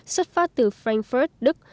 xuất phát từ frankfurt đức